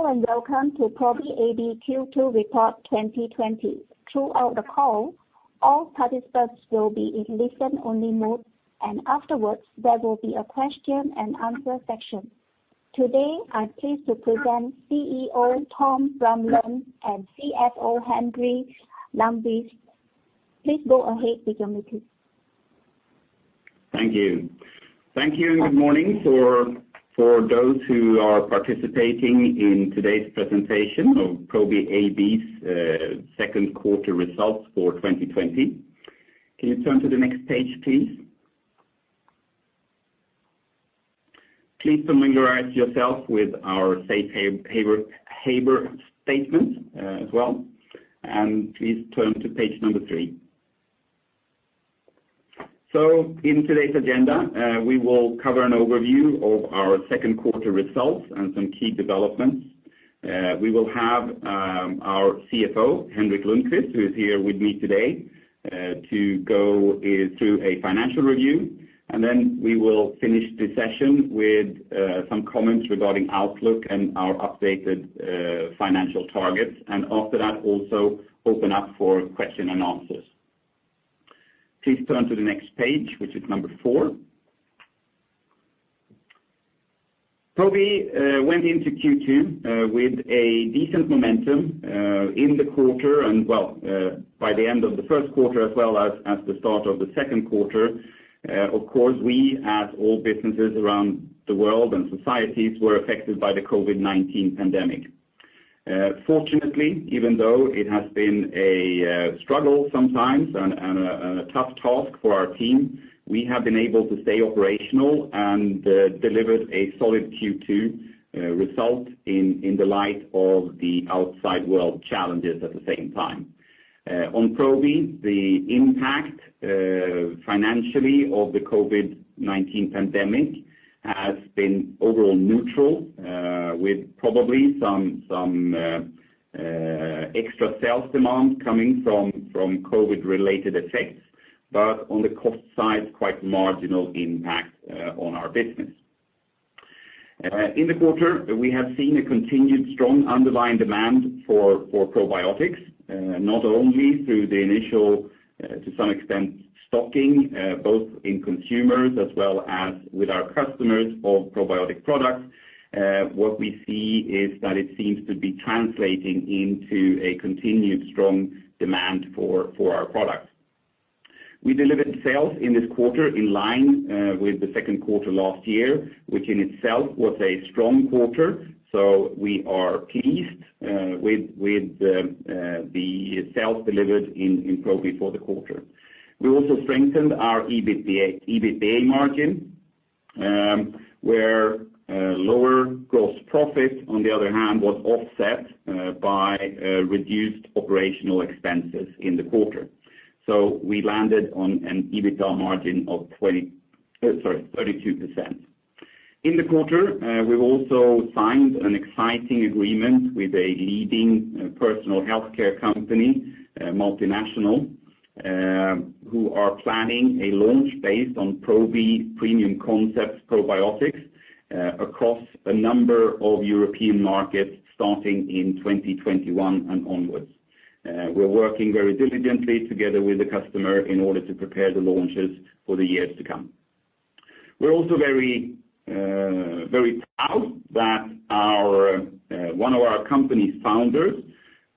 Hello, welcome to Probi AB Q2 Report 2020. Throughout the call, all participants will be in listen only mode, and afterwards there will be a question and answer section. Today, I'm pleased to present CEO Tom Rönnlund and CFO Henrik Lundkvist. Please go ahead with your meeting. Thank you. Thank you, and good morning for those who are participating in today's presentation of Probi AB's second quarter results for 2020. Can you turn to the next page, please? Please familiarize yourself with our safe harbor statement as well, and please turn to page number three. In today's agenda, we will cover an overview of our second quarter results and some key developments. We will have our CFO, Henrik Lundkvist, who is here with me today, to go through a financial review, and then we will finish the session with some comments regarding outlook and our updated financial targets. After that, also open up for question and answers. Please turn to the next page, which is number four. Probi went into Q2 with a decent momentum in the quarter and well, by the end of the first quarter, as well as the start of the second quarter. Of course, we, as all businesses around the world and societies, were affected by the COVID-19 pandemic. Fortunately, even though it has been a struggle sometimes and a tough task for our team, we have been able to stay operational and delivered a solid Q2 result in the light of the outside world challenges at the same time. On Probi, the impact financially of the COVID-19 pandemic has been overall neutral, with probably some extra sales demand coming from COVID related effects, but on the cost side, quite marginal impact on our business. In the quarter, we have seen a continued strong underlying demand for probiotics, not only through the initial, to some extent, stocking, both in consumers as well as with our customers of probiotic products. What we see is that it seems to be translating into a continued strong demand for our products. We delivered sales in this quarter in line with the second quarter last year, which in itself was a strong quarter. We are pleased with the sales delivered in Probi for the quarter. We also strengthened our EBITDA margin, where lower gross profit, on the other hand, was offset by reduced operational expenses in the quarter. We landed on an EBITDA margin of 32%. In the quarter, we've also signed an exciting agreement with a leading personal healthcare company, multinational, who are planning a launch based on Probi premium concepts probiotics across a number of European markets starting in 2021 and onwards. We're working very diligently together with the customer in order to prepare the launches for the years to come. We're also very proud that one of our company's founders,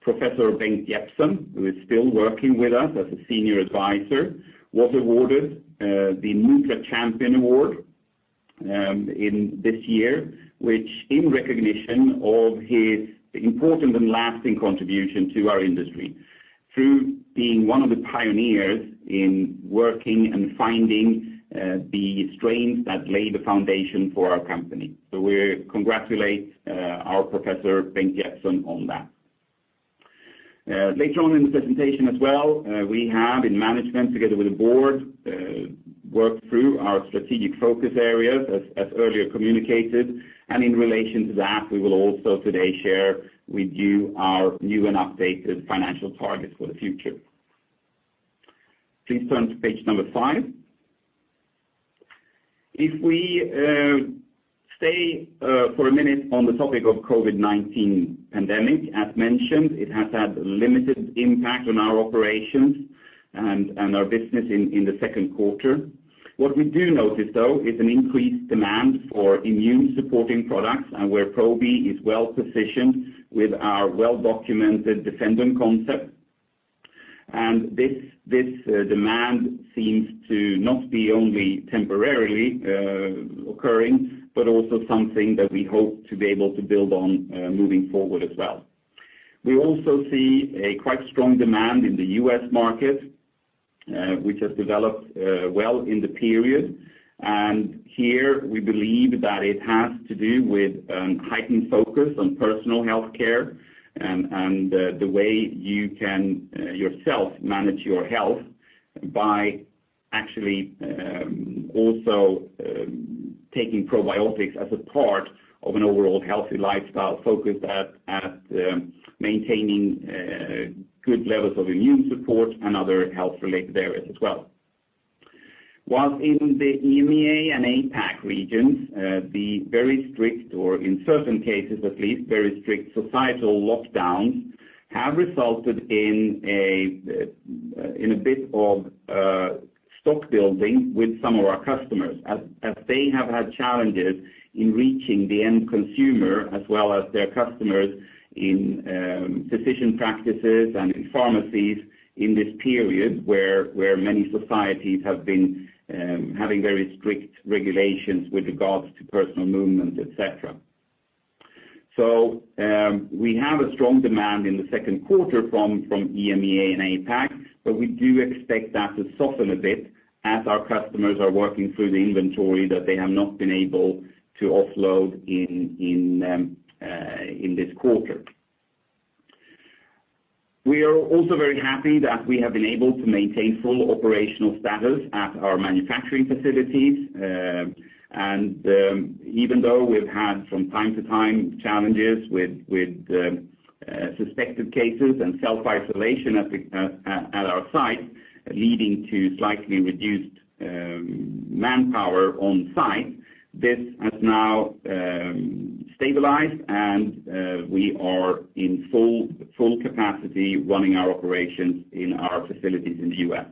Professor Bengt Jeppsson, who is still working with us as a senior advisor, was awarded the NutraChampion Award in this year, which in recognition of his important and lasting contribution to our industry through being one of the pioneers in working and finding the strains that lay the foundation for our company. We congratulate our Professor Bengt Jeppsson on that. Later on in the presentation as well, we have in management, together with the board, worked through our strategic focus areas as earlier communicated. In relation to that, we will also today share with you our new and updated financial targets for the future. Please turn to page number five. If we stay for a minute on the topic of COVID-19 pandemic, as mentioned, it has had limited impact on our operations and our business in the second quarter. What we do notice, though, is an increased demand for immune supporting products and where Probi is well positioned with our well-documented Probi Defendum concept. This demand seems to not be only temporarily occurring, but also something that we hope to be able to build on moving forward as well. We also see a quite strong demand in the U.S. market, which has developed well in the period. Here we believe that it has to do with heightened focus on personal healthcare and the way you can yourself manage your health by actually also taking probiotics as a part of an overall healthy lifestyle focused at maintaining good levels of immune support and other health related areas as well. While in the EMEA and APAC regions, the very strict, or in certain cases at least, very strict societal lockdowns have resulted in a bit of stock building with some of our customers, as they have had challenges in reaching the end consumer as well as their customers in physician practices and in pharmacies in this period, where many societies have been having very strict regulations with regards to personal movements, et cetera. We have a strong demand in the second quarter from EMEA and APAC, but we do expect that to soften a bit as our customers are working through the inventory that they have not been able to offload in this quarter. Even though we've had, from time to time, challenges with suspected cases and self-isolation at our site, leading to slightly reduced manpower on site, this has now stabilized, and we are in full capacity running our operations in our facilities in the US.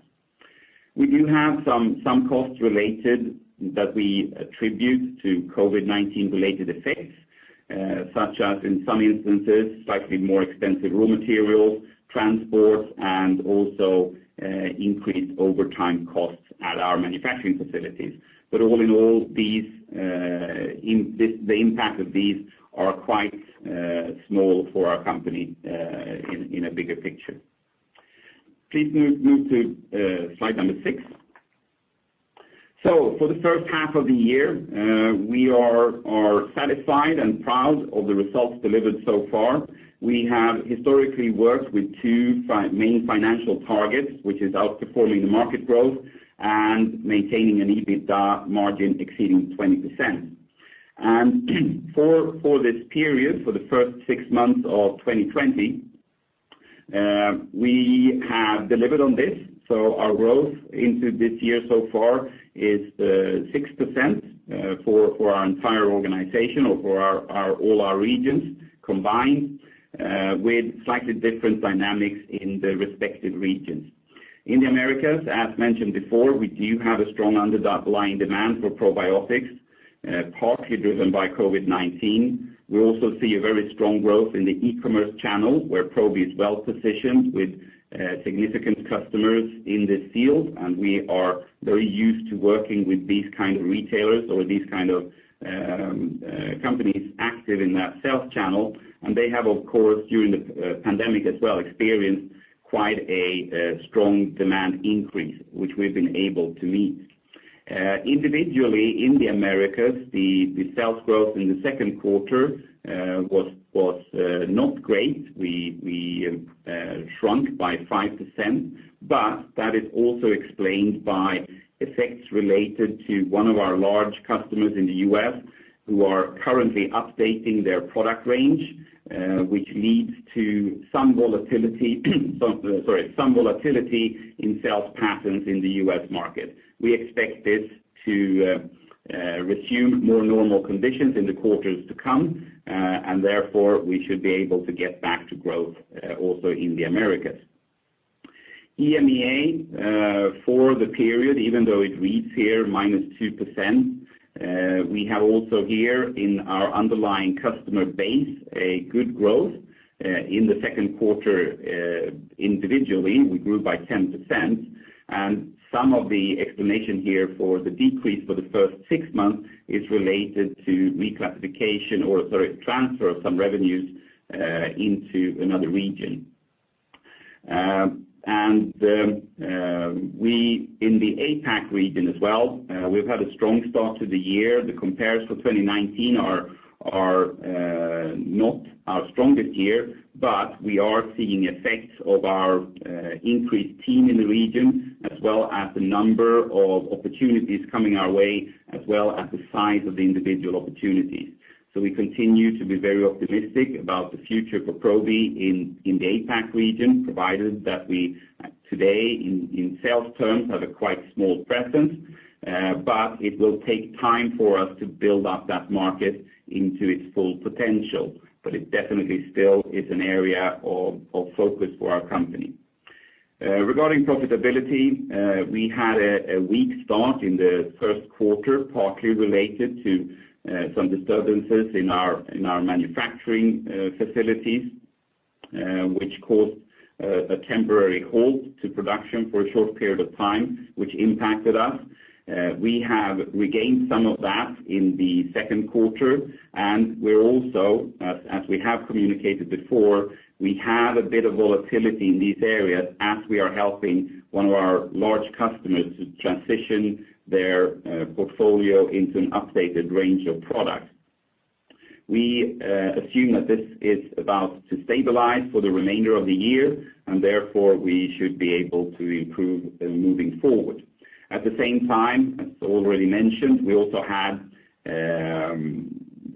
We do have some costs related that we attribute to COVID-19 related effects, such as, in some instances, slightly more expensive raw materials, transport, and also increased overtime costs at our manufacturing facilities. All in all, the impact of these are quite small for our company in a bigger picture. Please move to slide number six. For the first half of the year, we are satisfied and proud of the results delivered so far. We have historically worked with two main financial targets, which is outperforming the market growth and maintaining an EBITDA margin exceeding 20%. For this period, for the first six months of 2020, we have delivered on this. Our growth into this year so far is 6% for our entire organization or for all our regions combined, with slightly different dynamics in the respective regions. In the Americas, as mentioned before, we do have a strong underlying demand for probiotics, partly driven by COVID-19. We also see a very strong growth in the e-commerce channel, where Probi is well-positioned with significant customers in this field, and we are very used to working with these kind of retailers or these kind of companies active in that sales channel. They have, of course, during the pandemic as well, experienced quite a strong demand increase, which we've been able to meet. Individually in the Americas, the sales growth in the second quarter was not great. We shrunk by 5%, but that is also explained by effects related to one of our large customers in the U.S. who are currently updating their product range, which leads to some volatility, sorry, some volatility in sales patterns in the U.S. market. We expect this to resume more normal conditions in the quarters to come. Therefore, we should be able to get back to growth also in the Americas. EMEA for the period, even though it reads here minus 2%, we have also here in our underlying customer base a good growth. In the second quarter individually, we grew by 10%, some of the explanation here for the decrease for the first six months is related to reclassification, or, sorry, transfer of some revenues into another region. In the APAC region as well, we've had a strong start to the year. The compares for 2019 are not our strongest year, but we are seeing effects of our increased team in the region as well as the number of opportunities coming our way, as well as the size of the individual opportunities. We continue to be very optimistic about the future for Probi in the APAC region, provided that we today, in sales terms, have a quite small presence. It will take time for us to build up that market into its full potential. It definitely still is an area of focus for our company. Regarding profitability, we had a weak start in the first quarter, partly related to some disturbances in our manufacturing facilities, which caused a temporary halt to production for a short period of time, which impacted us. We have regained some of that in the second quarter. We're also, as we have communicated before, we have a bit of volatility in these areas as we are helping one of our large customers to transition their portfolio into an updated range of products. We assume that this is about to stabilize for the remainder of the year, and therefore we should be able to improve moving forward. At the same time, as already mentioned, we also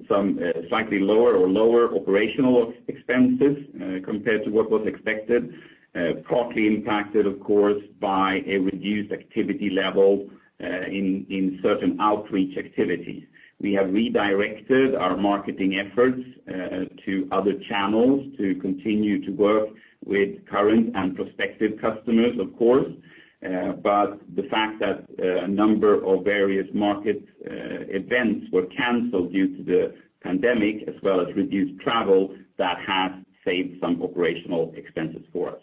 Some slightly lower or lower operational expenses compared to what was expected, partly impacted, of course, by a reduced activity level in certain outreach activities. We have redirected our marketing efforts to other channels to continue to work with current and prospective customers, of course. The fact that a number of various market events were canceled due to the pandemic, as well as reduced travel, that has saved some operational expenses for us.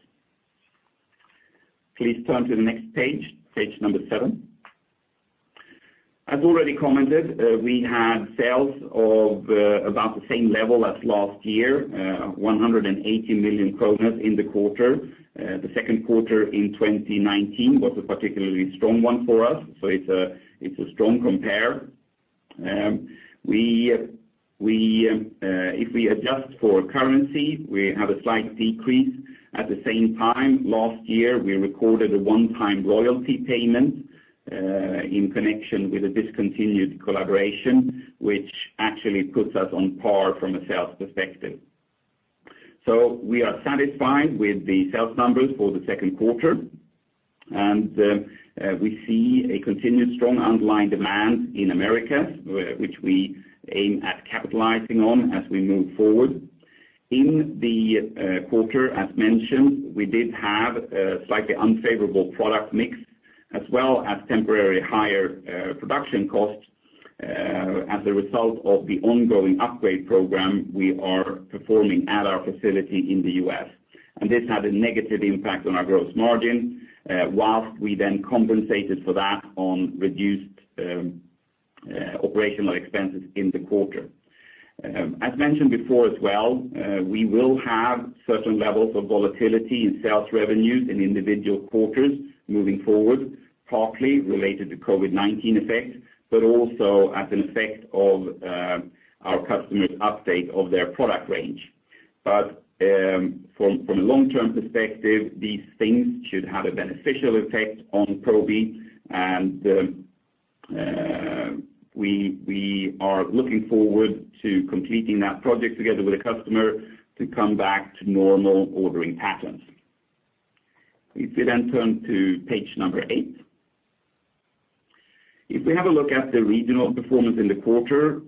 Please turn to the next page number seven. As already commented, we had sales of about the same level as last year, 180 million kronor in the quarter. The second quarter in 2019 was a particularly strong one for us, it's a strong compare. If we adjust for currency, we have a slight decrease. At the same time, last year, we recorded a one-time royalty payment in connection with a discontinued collaboration, which actually puts us on par from a sales perspective. We are satisfied with the sales numbers for the second quarter. We see a continued strong underlying demand in America, which we aim at capitalizing on as we move forward. In the quarter, as mentioned, we did have a slightly unfavorable product mix, as well as temporarily higher production costs as a result of the ongoing upgrade program we are performing at our facility in the U.S. This had a negative impact on our gross margin, whilst we then compensated for that on reduced operational expenses in the quarter. As mentioned before as well, we will have certain levels of volatility in sales revenues in individual quarters moving forward, partly related to COVID-19 effects, also as an effect of our customers' update of their product range. From a long-term perspective, these things should have a beneficial effect on Probi, and we are looking forward to completing that project together with a customer to come back to normal ordering patterns. If we turn to page number eight. If we have a look at the regional performance in the quarter,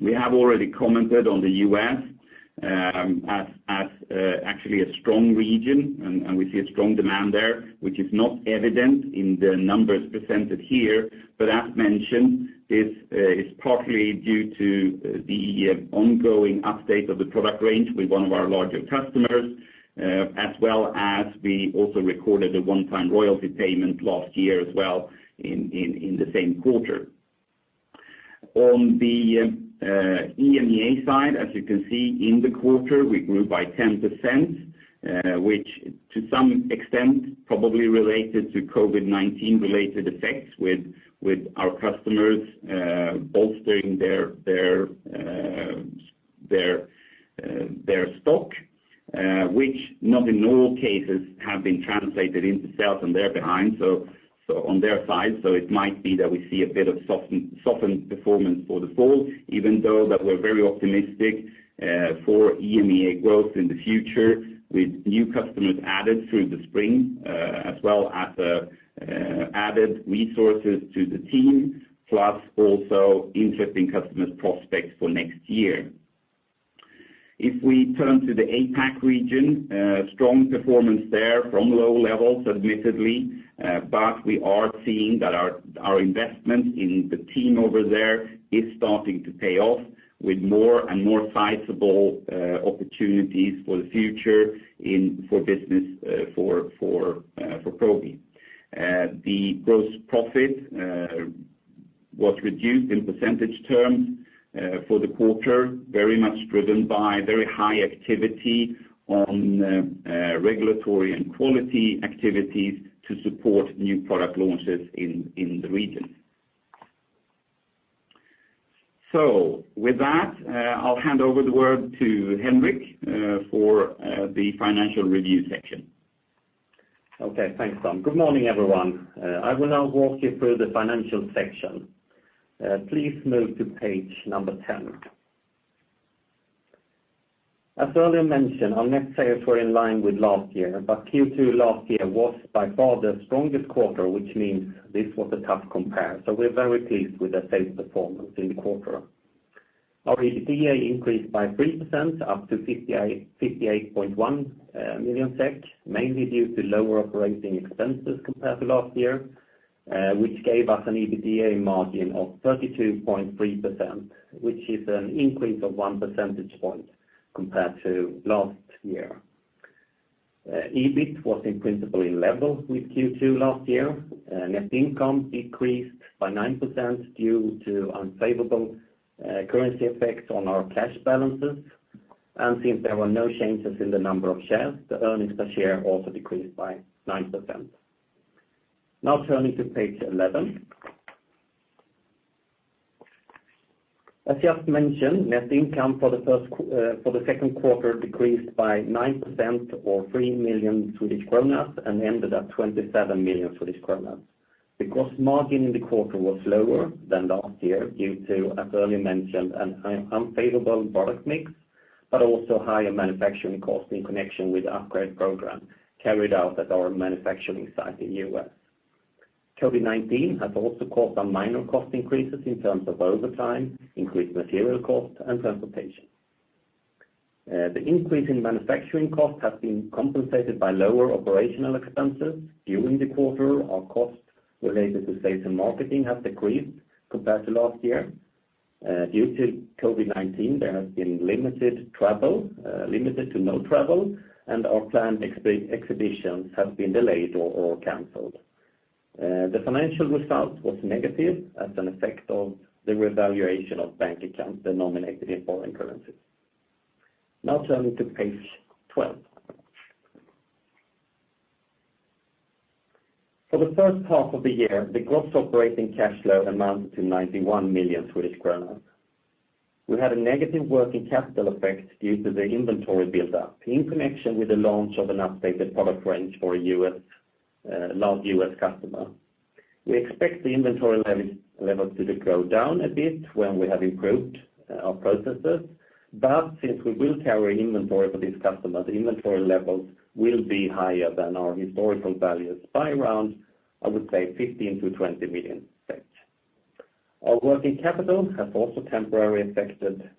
we have already commented on the U.S. as actually a strong region, and we see a strong demand there, which is not evident in the numbers presented here. As mentioned, it's partly due to the ongoing update of the product range with one of our larger customers, as well as we also recorded a one-time royalty payment last year as well in the same quarter. On the EMEA side, as you can see in the quarter, we grew by 10%, which to some extent probably related to COVID-19 related effects with our customers bolstering their stock which not in all cases have been translated into sales on their side. It might be that we see a bit of softened performance for the fall, even though that we're very optimistic for EMEA growth in the future with new customers added through the spring, as well as added resources to the team, plus also interesting customers prospects for next year. If we turn to the APAC region, strong performance there from low levels, admittedly, but we are seeing that our investment in the team over there is starting to pay off with more and more sizable opportunities for the future for business for Probi. The gross profit was reduced in percentage terms for the quarter, very much driven by very high activity on regulatory and quality activities to support new product launches in the region. With that, I'll hand over the word to Henrik for the financial review section. Okay. Thanks, Tom. Good morning, everyone. I will now walk you through the financial section. Please move to page 10. As earlier mentioned, our net sales were in line with last year, Q2 last year was by far the strongest quarter, which means this was a tough compare. We're very pleased with the sales performance in the quarter. Our EBITDA increased by 3% up to 58.1 million SEK, mainly due to lower operating expenses compared to last year, which gave us an EBITDA margin of 32.3%, which is an increase of one percentage point compared to last year. EBIT was in principle in level with Q2 last year. Net income decreased by 9% due to unfavorable currency effects on our cash balances. Since there were no changes in the number of shares, the earnings per share also decreased by 9%. Turning to page 11. As just mentioned, net income for the second quarter decreased by 9% or 3 million Swedish kronor and ended at 27 million Swedish kronor. The gross margin in the quarter was lower than last year due to, as earlier mentioned, an unfavorable product mix. Also, higher manufacturing costs in connection with upgrade program carried out at our manufacturing site in the U.S. COVID-19 has also caused some minor cost increases in terms of overtime, increased material cost, and transportation. The increase in manufacturing cost has been compensated by lower operational expenses during the quarter. Our costs related to sales and marketing have decreased compared to last year. Due to COVID-19, there has been limited to no travel, and our planned exhibitions have been delayed or canceled. The financial result was negative as an effect of the revaluation of bank accounts denominated in foreign currencies. Now turning to page 12. For the first half of the year, the gross operating cash flow amounted to 91 million Swedish kronor. We had a negative working capital effect due to the inventory buildup in connection with the launch of an updated product range for a large U.S. customer. We expect the inventory levels to go down a bit when we have improved our processes, but since we will carry inventory for this customer, the inventory levels will be higher than our historical values by around, I would say, 15 million-20 million. Our working capital is also temporarily affected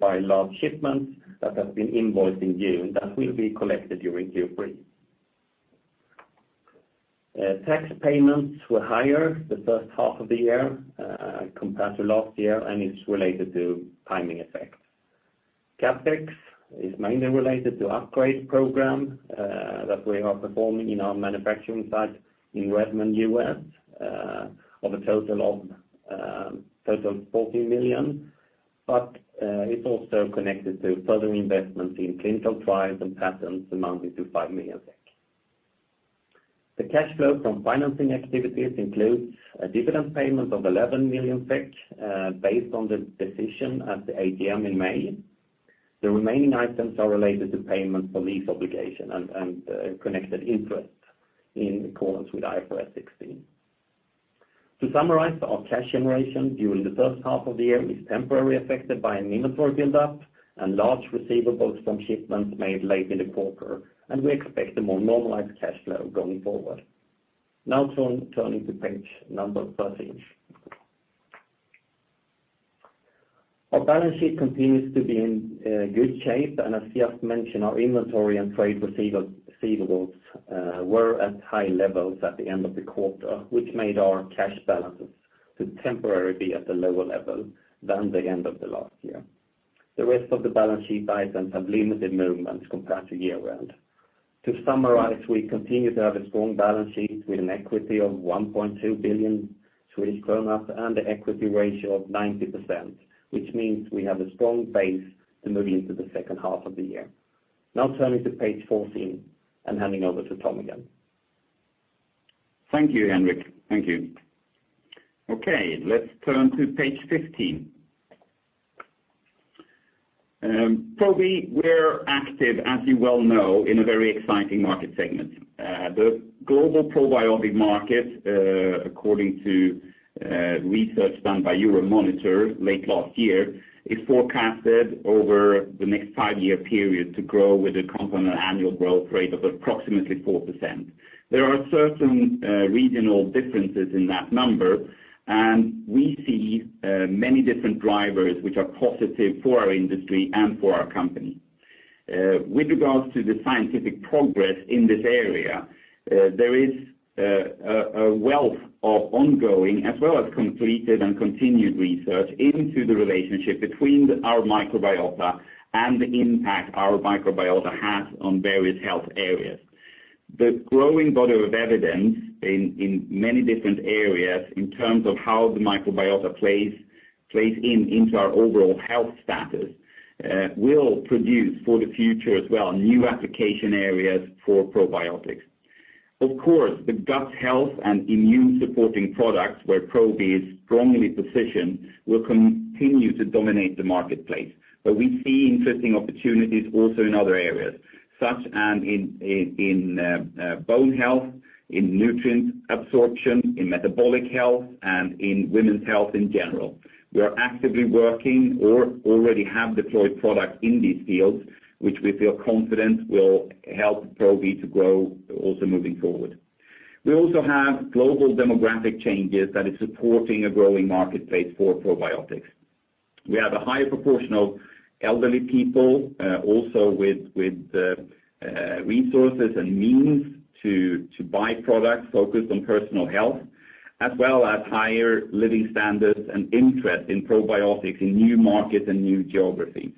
by large shipments that have been invoiced in June that will be collected during Q3. Tax payments were higher the first half of the year compared to last year. It's related to timing effects. CapEx is mainly related to upgrade program that we are performing in our manufacturing site in Redmond, U.S., of a total of 14 million, but it's also connected to further investments in clinical trials and patents amounting to 5 million. The cash flow from financing activities includes a dividend payment of 11 million SEK, based on the decision at the AGM in May. The remaining items are related to payment for lease obligation and connected interest in accordance with IFRS 16. To summarize, our cash generation during the first half of the year is temporarily affected by an inventory buildup and large receivables from shipments made late in the quarter, and we expect a more normalized cash flow going forward. Now turning to page number 13. Our balance sheet continues to be in good shape, and as I just mentioned, our inventory and trade receivables were at high levels at the end of the quarter, which made our cash balances to temporarily be at a lower level than the end of the last year. The rest of the balance sheet items have limited movements compared to year-round. To summarize, we continue to have a strong balance sheet with an equity of 1.2 billion Swedish kronor and an equity ratio of 90%, which means we have a strong base to move into the second half of the year. Now turning to page 14, and handing over to Tom again. Thank you, Henrik. Thank you. Okay, let's turn to page 15. Probi, we're active, as you well know, in a very exciting market segment. The global probiotic market, according to research done by Euromonitor late last year, is forecasted over the next five-year period to grow with a compound annual growth rate of approximately 4%. There are certain regional differences in that number, and we see many different drivers which are positive for our industry and for our company. With regards to the scientific progress in this area, there is a wealth of ongoing as well as completed and continued research into the relationship between our microbiota and the impact our microbiota has on various health areas. The growing body of evidence in many different areas in terms of how the microbiota plays into our overall health status will produce for the future as well, new application areas for probiotics. Of course, the gut health and immune supporting products where Probi is strongly positioned will continue to dominate the marketplace. We see interesting opportunities also in other areas, such as in bone health, in nutrient absorption, in metabolic health, and in women's health in general. We are actively working or already have deployed products in these fields, which we feel confident will help Probi to grow also moving forward. We also have global demographic changes that is supporting a growing marketplace for probiotics. We have a higher proportion of elderly people, also with resources and means to buy products focused on personal health, as well as higher living standards and interest in probiotics in new markets and new geographies.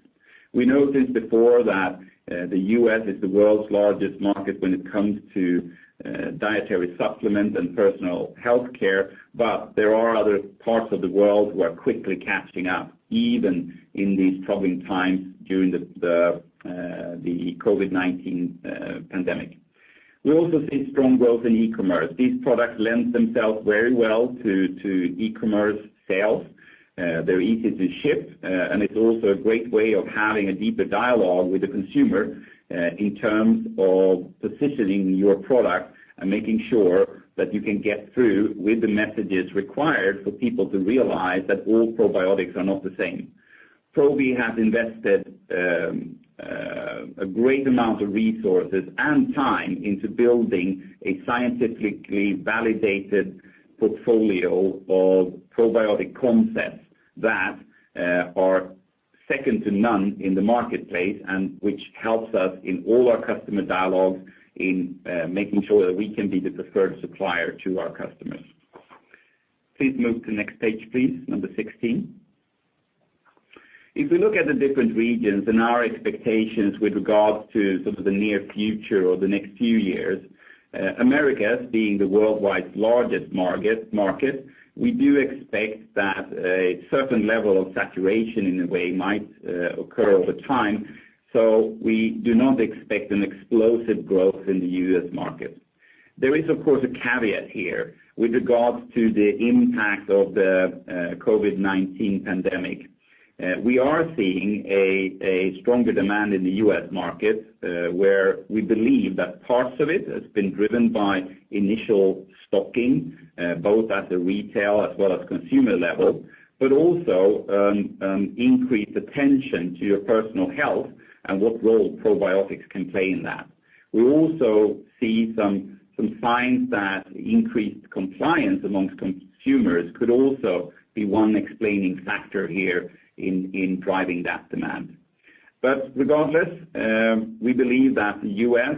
We noticed before that the U.S. is the world's largest market when it comes to dietary supplements and personal healthcare, but there are other parts of the world who are quickly catching up, even in these troubling times during the COVID-19 pandemic. We also see strong growth in e-commerce. These products lend themselves very well to e-commerce sales. They're easy to ship, and it's also a great way of having a deeper dialogue with the consumer in terms of positioning your product and making sure that you can get through with the messages required for people to realize that all probiotics are not the same. Probi has invested a great amount of resources and time into building a scientifically validated portfolio of probiotic concepts that are second to none in the marketplace, and which helps us in all our customer dialogues in making sure that we can be the preferred supplier to our customers. Please move to next page, please, number 16. If we look at the different regions and our expectations with regards to the near future or the next few years, Americas being the worldwide largest market, we do expect that a certain level of saturation in a way might occur over time. We do not expect an explosive growth in the U.S. market. There is, of course, a caveat here with regards to the impact of the COVID-19 pandemic. We are seeing a stronger demand in the U.S. market, where we believe that parts of it has been driven by initial stocking, both at the retail as well as consumer level, but also increased attention to your personal health and what role probiotics can play in that. We also see some signs that increased compliance amongst consumers could also be one explaining factor here in driving that demand. Regardless, we believe that the U.S.,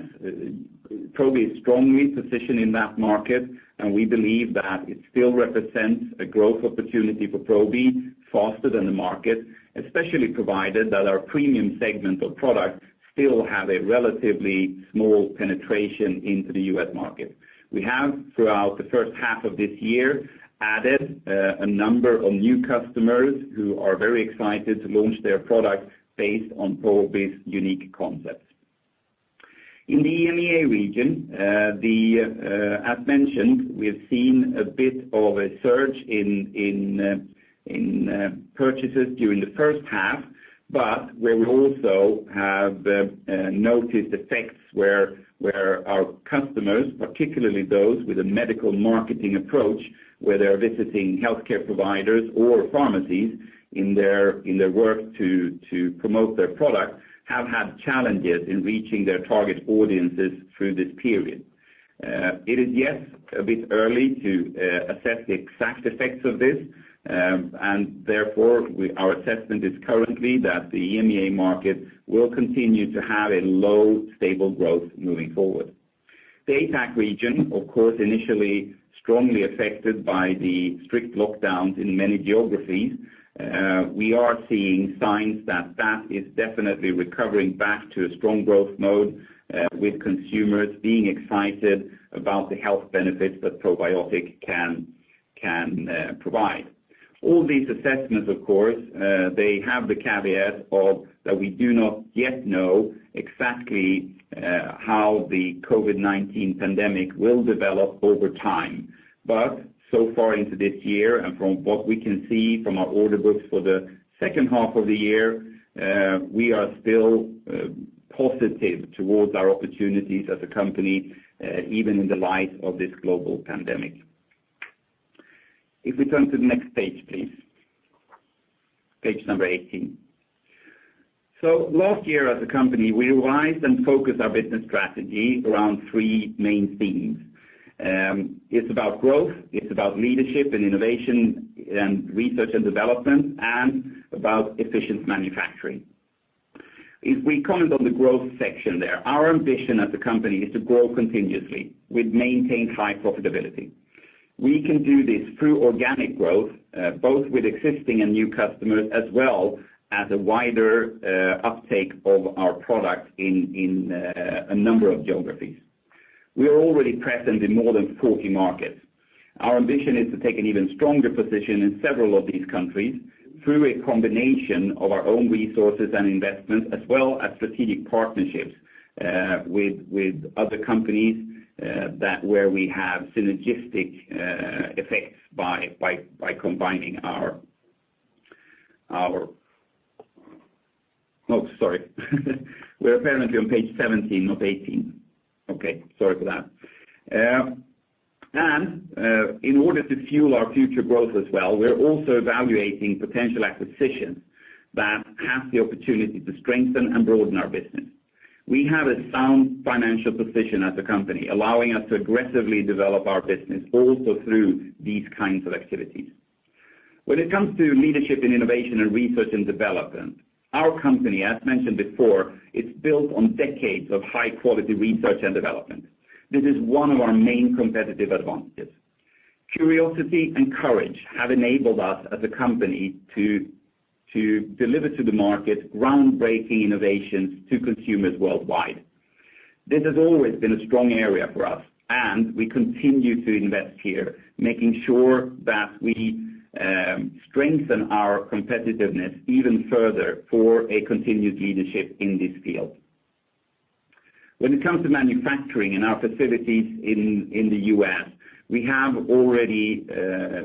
Probi is strongly positioned in that market, and we believe that it still represents a growth opportunity for Probi faster than the market, especially provided that our premium segment of products still have a relatively small penetration into the U.S. market. We have, throughout the first half of this year, added a number of new customers who are very excited to launch their products based on Probi's unique concepts. In the EMEA region, as mentioned, we have seen a bit of a surge in purchases during the first half, but where we also have noticed effects where our customers, particularly those with a medical marketing approach, where they are visiting healthcare providers or pharmacies in their work to promote their product, have had challenges in reaching their target audiences through this period. It is, yes, a bit early to assess the exact effects of this, and therefore, our assessment is currently that the EMEA market will continue to have a low, stable growth moving forward. The APAC region, of course, initially strongly affected by the strict lockdowns in many geographies. We are seeing signs that that is definitely recovering back to a strong growth mode with consumers being excited about the health benefits that probiotic can provide. All these assessments, of course, they have the caveat of that we do not yet know exactly how the COVID-19 pandemic will develop over time. So far into this year, and from what we can see from our order books for the second half of the year, we are still positive towards our opportunities as a company, even in the light of this global pandemic. If we turn to the next page, please. Page number 18. Last year as a company, we revised and focused our business strategy around three main themes. It's about growth, it's about leadership and innovation and research and development, and about efficient manufacturing. If we comment on the growth section there, our ambition as a company is to grow continuously with maintained high profitability. We can do this through organic growth, both with existing and new customers, as well as a wider uptake of our product in a number of geographies. We are already present in more than 40 markets. Our ambition is to take an even stronger position in several of these countries through a combination of our own resources and investments, as well as strategic partnerships with other companies where we have synergistic effects by combining our Oh, sorry. We are apparently on page 17, not 18. Okay, sorry for that. In order to fuel our future growth as well, we are also evaluating potential acquisitions that have the opportunity to strengthen and broaden our business. We have a sound financial position as a company, allowing us to aggressively develop our business also through these kinds of activities. When it comes to leadership and innovation and research and development, our company, as mentioned before, it's built on decades of high-quality research and development. This is one of our main competitive advantages. Curiosity and courage have enabled us as a company to deliver to the market groundbreaking innovations to consumers worldwide. This has always been a strong area for us, and we continue to invest here, making sure that we strengthen our competitiveness even further for a continued leadership in this field. When it comes to manufacturing and our facilities in the U.S., we have already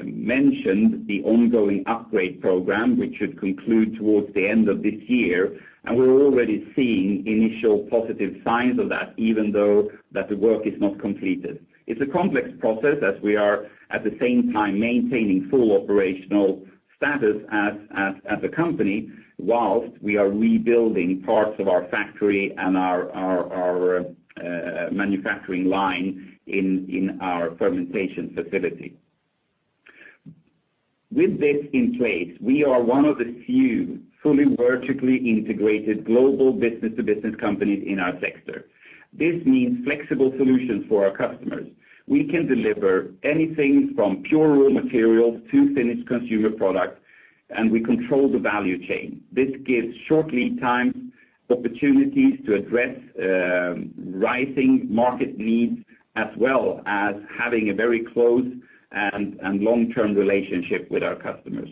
mentioned the ongoing upgrade program, which should conclude towards the end of this year, and we're already seeing initial positive signs of that, even though that the work is not completed. It's a complex process as we are at the same time maintaining full operational status as a company whilst we are rebuilding parts of our factory and our manufacturing line in our fermentation facility. With this in place, we are one of the few fully vertically integrated global business-to-business companies in our sector. This means flexible solutions for our customers. We can deliver anything from pure raw materials to finished consumer products, and we control the value chain. This gives short lead times, opportunities to address rising market needs, as well as having a very close and long-term relationship with our customers.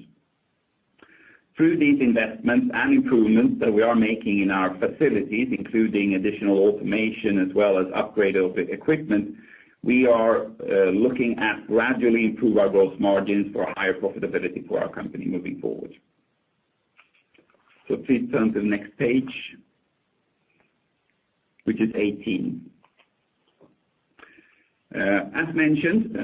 Through these investments and improvements that we are making in our facilities, including additional automation as well as upgrade of equipment, we are looking at gradually improve our gross margins for a higher profitability for our company moving forward. Please turn to the next page, which is 18. As mentioned,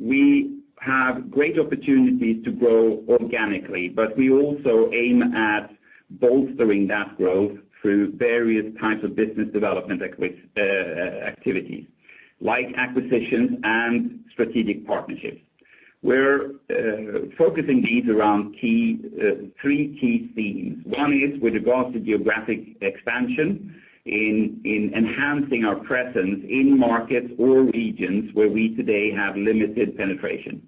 we have great opportunities to grow organically, but we also aim at bolstering that growth through various types of business development activities, like acquisitions and strategic partnerships. We're focusing these around three key themes. One is with regards to geographic expansion, in enhancing our presence in markets or regions where we today have limited penetration.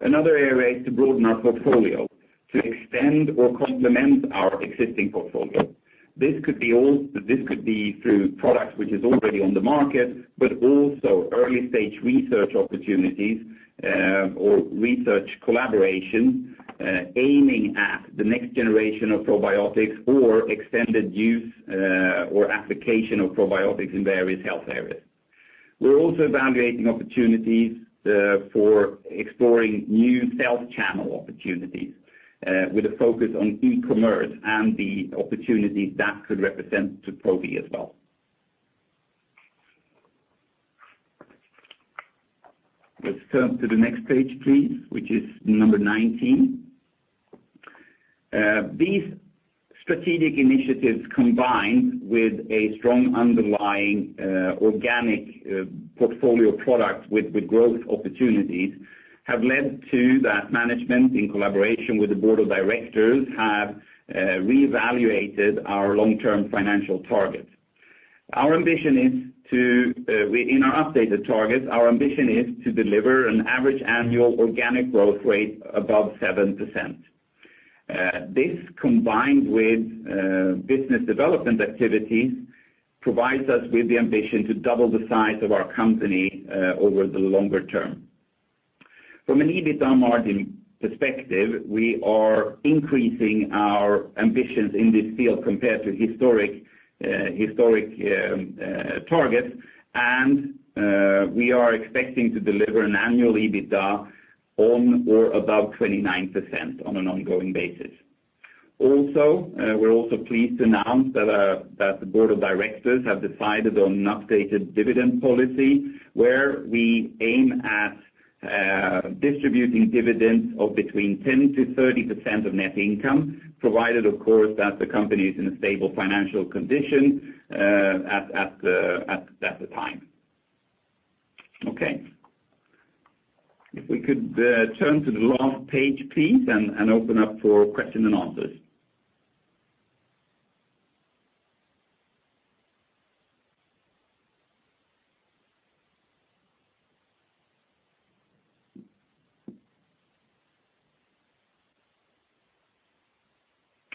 Another area is to broaden our portfolio, to extend or complement our existing portfolio. This could be through products which is already on the market, but also early-stage research opportunities or research collaboration, aiming at the next generation of probiotics or extended use, or application of probiotics in various health areas. We're also evaluating opportunities for exploring new sales channel opportunities, with a focus on e-commerce and the opportunities that could represent to Probi as well. Let's turn to the next page, please, which is number 19. These strategic initiatives, combined with a strong underlying organic portfolio of products with growth opportunities, have led to that management, in collaboration with the board of directors, have reevaluated our long-term financial targets. In our updated targets, our ambition is to deliver an average annual organic growth rate above 7%. This, combined with business development activities, provides us with the ambition to double the size of our company over the longer term. From an EBITDA margin perspective, we are increasing our ambitions in this field compared to historic targets, and we are expecting to deliver an annual EBITDA on or above 29% on an ongoing basis. We're also pleased to announce that the board of directors have decided on an updated dividend policy, where we aim at distributing dividends of between 10%-30% of net income, provided, of course, that the company is in a stable financial condition at the time. Okay. If we could turn to the last page, please, and open up for question and answers.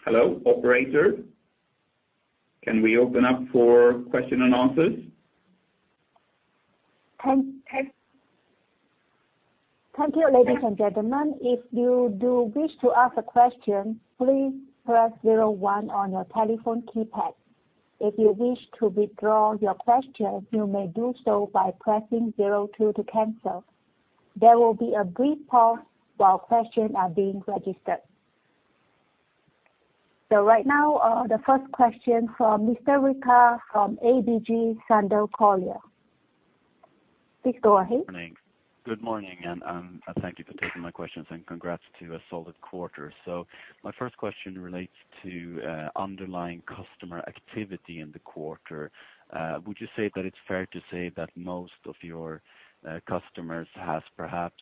Hello, operator. Can we open up for question and answers? Thank you, ladies and gentlemen. If you do wish to ask a question, please press 01 on your telephone keypad. If you wish to withdraw your question, you may do so by pressing 02 to cancel. There will be a brief pause while questions are being registered. Right now, the first question from Mr. Rikard from ABG Sundal Collier. Please go ahead. Good morning. Thank you for taking my questions, and congrats to a solid quarter. My first question relates to underlying customer activity in the quarter. Would you say that it's fair to say that most of your customers has perhaps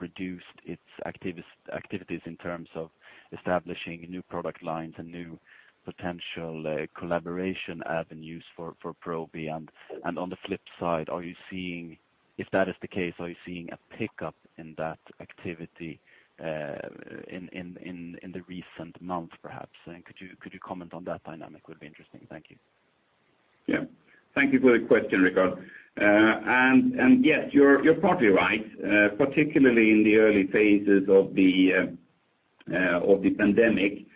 reduced its activities in terms of establishing new product lines and new potential collaboration avenues for Probi? On the flip side, if that is the case, are you seeing a pickup in that activity in the recent months, perhaps? Could you comment on that dynamic, would be interesting. Thank you. Yeah. Thank you for the question, Rikard. Yes, you're partly right. Particularly in the early phases of the pandemic,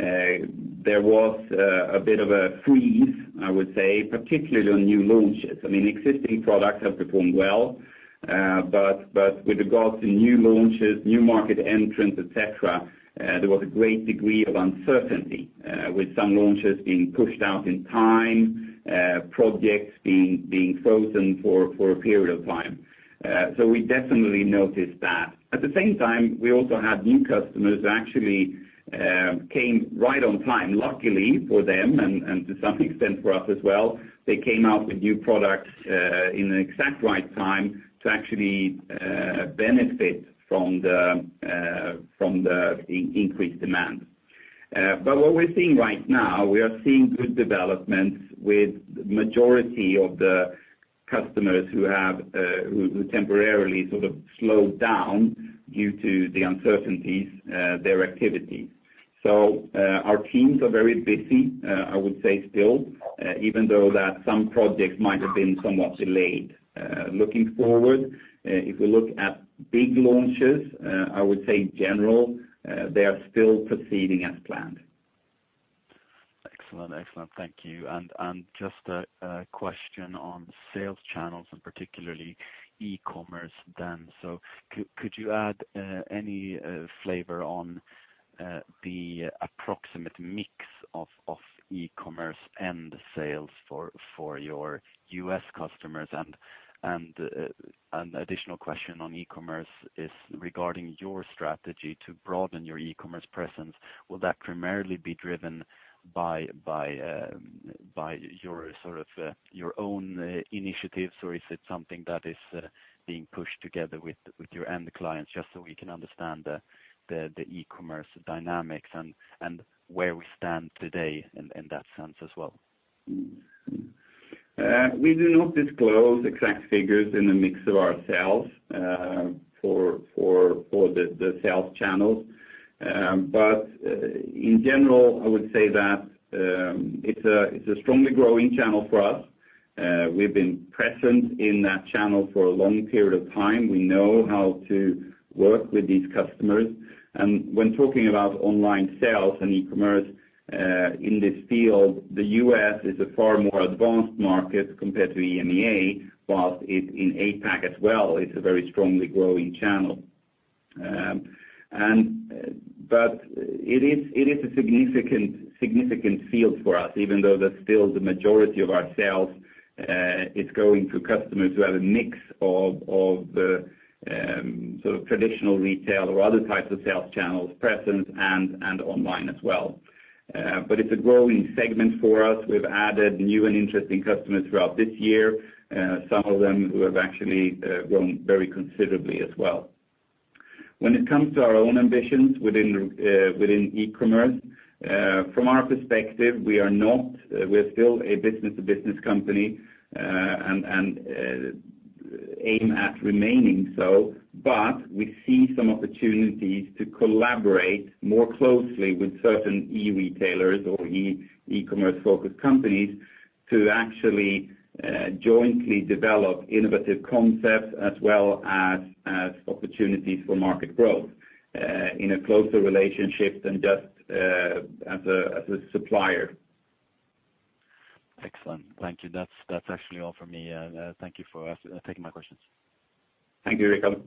there was a bit of a freeze, I would say, particularly on new launches. Existing products have performed well. With regards to new launches, new market entrants, et cetera, there was a great degree of uncertainty, with some launches being pushed out in time, projects being frozen for a period of time. We definitely noticed that. At the same time, we also had new customers that actually came right on time. Luckily for them, and to some extent for us as well, they came out with new products in the exact right time to actually benefit from the increased demand. What we're seeing right now, we are seeing good developments with the majority of the customers who have temporarily sort of slowed down due to the uncertainties, their activity. Our teams are very busy, I would say still, even though that some projects might have been somewhat delayed. Looking forward, if we look at big launches, I would say general, they are still proceeding as planned. Excellent. Thank you. Just a question on sales channels and particularly e-commerce then. Could you add any flavor on the approximate mix of e-commerce and sales for your U.S. customers? An additional question on e-commerce is regarding your strategy to broaden your e-commerce presence. Will that primarily be driven by your own initiatives, or is it something that is being pushed together with your end clients, just so we can understand the e-commerce dynamics and where we stand today in that sense as well? We do not disclose exact figures in the mix of our sales for the sales channels. In general, I would say that it's a strongly growing channel for us. We've been present in that channel for a long period of time. We know how to work with these customers. When talking about online sales and e-commerce in this field, the U.S. is a far more advanced market compared to EMEA, whilst in APAC as well, it's a very strongly growing channel. It is a significant field for us, even though that still the majority of our sales, it's going to customers who have a mix of the traditional retail or other types of sales channels present and online as well. It's a growing segment for us. We've added new and interesting customers throughout this year, some of them who have actually grown very considerably as well. When it comes to our own ambitions within e-commerce, from our perspective, we are still a business-to-business company and aim at remaining so. We see some opportunities to collaborate more closely with certain e-retailers or e-commerce-focused companies to actually jointly develop innovative concepts as well as opportunities for market growth in a closer relationship than just as a supplier. Excellent. Thank you. That's actually all for me. Thank you for taking my questions. Thank you, Rikard.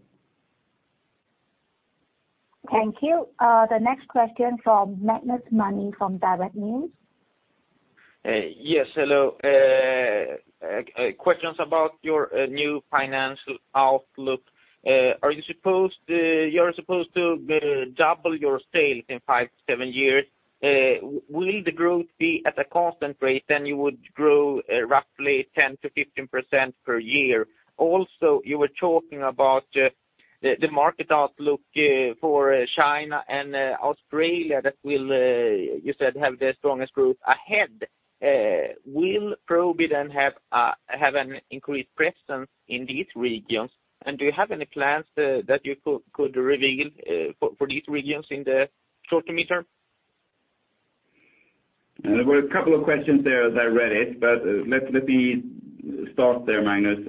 Thank you. The next question from Magnus Manni from Dagens Medicin. Yes, hello. Questions about your new financial outlook. You're supposed to double your sales in five to seven years. Will the growth be at a constant rate, then you would grow roughly 10%-15% per year? You were talking about the market outlook for China and Australia that will, you said, have the strongest growth ahead. Will Probi then have an increased presence in these regions? Do you have any plans that you could reveal for these regions in the short-term future? There were a couple of questions there as I read it. Let me start there, Magnus.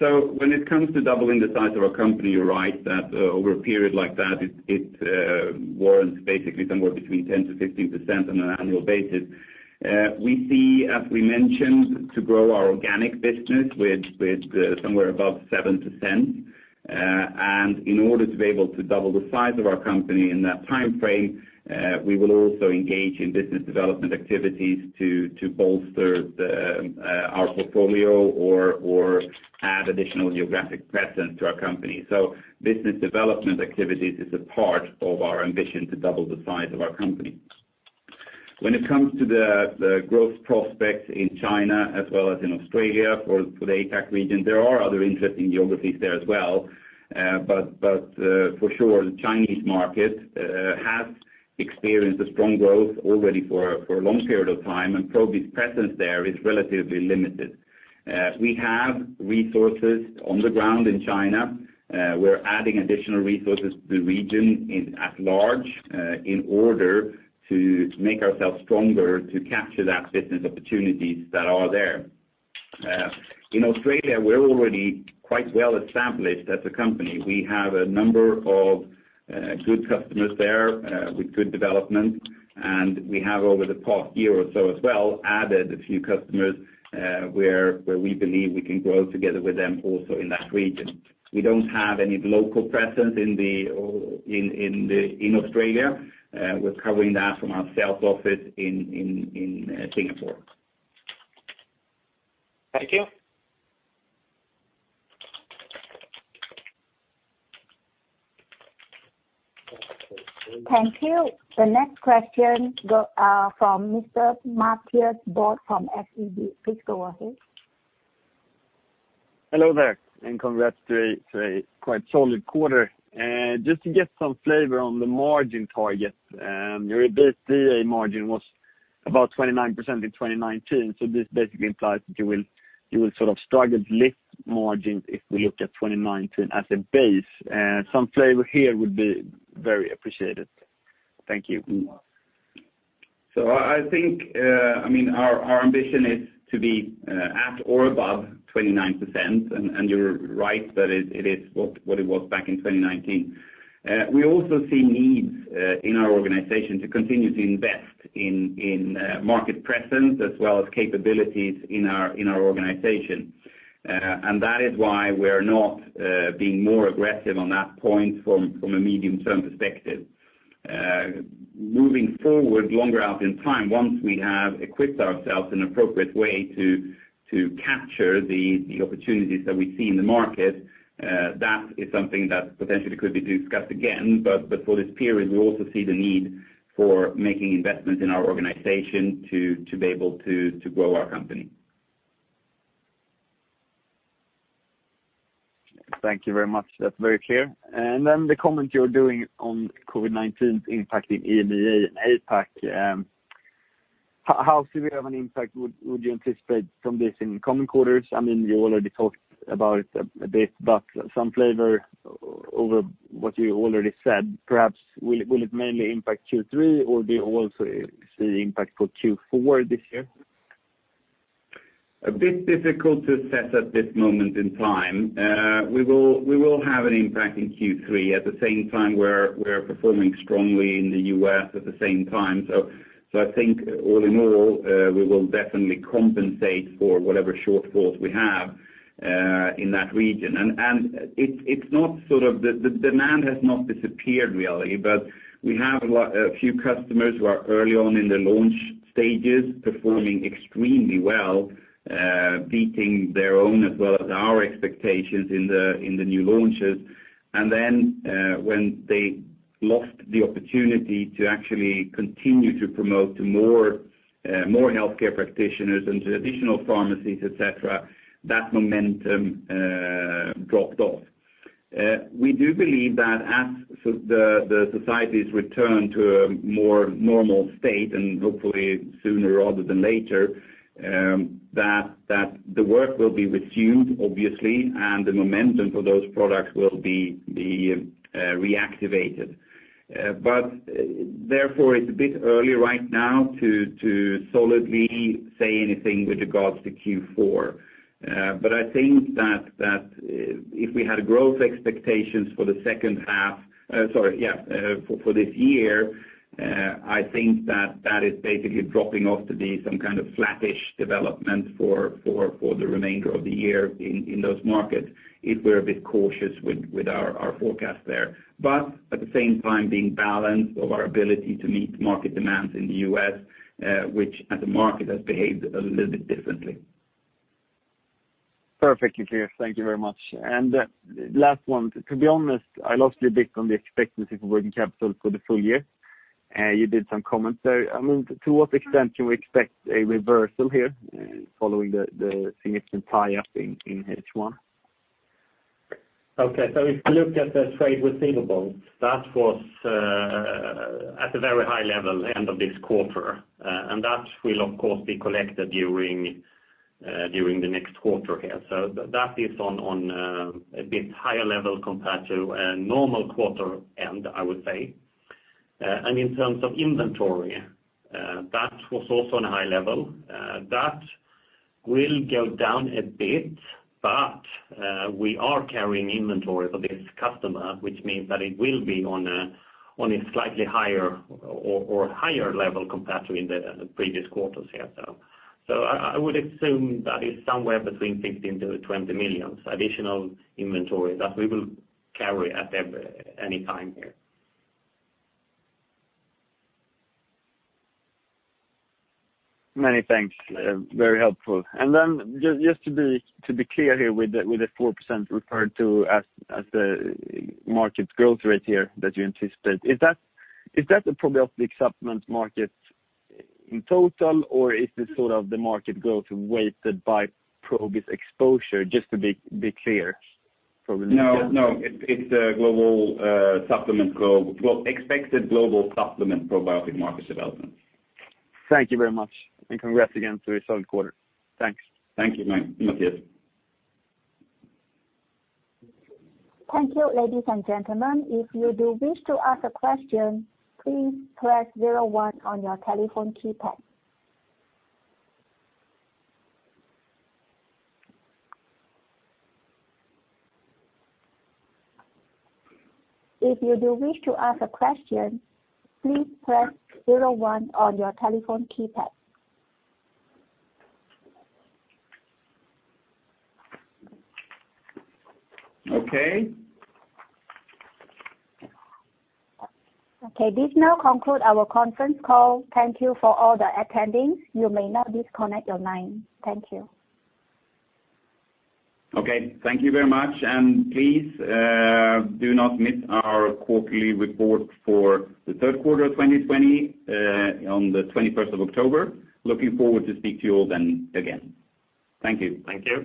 When it comes to doubling the size of our company, you're right that over a period like that, it warrants basically somewhere between 10%-15% on an annual basis. We see, as we mentioned, to grow our organic business with somewhere above 7%. In order to be able to double the size of our company in that time frame, we will also engage in business development activities to bolster our portfolio or add additional geographic presence to our company. Business development activities is a part of our ambition to double the size of our company. When it comes to the growth prospects in China as well as in Australia for the APAC region, there are other interesting geographies there as well. For sure, the Chinese market has experienced a strong growth already for a long period of time, and Probi's presence there is relatively limited. We have resources on the ground in China. We're adding additional resources to the region at large in order to make ourselves stronger to capture that business opportunities that are there. In Australia, we're already quite well established as a company. We have a number of good customers there with good development, and we have, over the past year or so as well, added a few customers where we believe we can grow together with them also in that region. We don't have any local presence in Australia. We're covering that from our sales office in Singapore. Thank you. Thank you. The next question from Mr. Mattias Borg from SEB. Please go ahead. Hello there, and congrats to a quite solid quarter. Just to get some flavor on the margin target. Your EBITDA margin was about 29% in 2019, so this basically implies that you will struggled lift margins if we look at 2019 as a base. Some flavor here would be very appreciated. Thank you. I think our ambition is to be at or above 29%, and you're right that it is what it was back in 2019. We also see needs in our organization to continue to invest in market presence as well as capabilities in our organization. That is why we are not being more aggressive on that point from a medium-term perspective. Moving forward longer out in time, once we have equipped ourselves in an appropriate way to capture the opportunities that we see in the market, that is something that potentially could be discussed again. For this period, we also see the need for making investments in our organization to be able to grow our company. Thank you very much. That's very clear. The comment you're doing on COVID-19 impacting EMEA and APAC. How severe of an impact would you anticipate from this in coming quarters? You already talked about it a bit, some flavor over what you already said, perhaps will it mainly impact Q3, or do you also see impact for Q4 this year? A bit difficult to assess at this moment in time. We will have an impact in Q3. At the same time, we're performing strongly in the U.S. at the same time. I think all in all, we will definitely compensate for whatever shortfalls we have in that region. The demand has not disappeared, really, but we have a few customers who are early on in the launch stages performing extremely well, beating their own as well as our expectations in the new launches. Then when they lost the opportunity to actually continue to promote to more healthcare practitioners and to additional pharmacies, et cetera, that momentum dropped off. We do believe that as the societies return to a more normal state, and hopefully sooner rather than later, that the work will be resumed, obviously, and the momentum for those products will be reactivated. Therefore, it's a bit early right now to solidly say anything with regards to Q4. I think that if we had growth expectations for this year, I think that is basically dropping off to be some kind of flattish development for the remainder of the year in those markets if we're a bit cautious with our forecast there. At the same time, being balanced of our ability to meet market demands in the U.S., which as a market has behaved a little bit differently. Perfectly clear. Thank you very much. Last one. To be honest, I lost a bit on the expectancy for working capital for the full year. You did some comments there. To what extent can we expect a reversal here following the significant tie-up in H1? Okay. If you look at the trade receivables, that was at a very high level end of this quarter, and that will, of course, be collected during the next quarter here. That is on a bit higher level compared to a normal quarter end, I would say. In terms of inventory, that was also on a high level. That will go down a bit, but we are carrying inventory for this customer, which means that it will be on a slightly higher or higher level compared to in the previous quarters here. I would assume that is somewhere between 15 million-20 million additional inventory that we will carry at any time here. Many thanks. Very helpful. Just to be clear here with the 4% referred to as the market growth rate here that you anticipate, is that the probiotic supplement market in total, or is this sort of the market growth weighted by Probi's exposure? Just to be clear? No. It's a expected global supplement probiotic market development. Thank you very much, and congrats again to a solid quarter. Thanks. Thank you, Mattias. Thank you, ladies and gentlemen. If you do wish to ask a question, please press 01 on your telephone keypad. If you do wish to ask a question, please press 01 on your telephone keypad. Okay. Okay. This now concludes our conference call. Thank you for all the attendees. You may now disconnect your line. Thank you. Okay. Thank you very much. Please do not miss our quarterly report for the third quarter of 2020 on the 21st of October. Looking forward to speak to you all then again. Thank you. Thank you.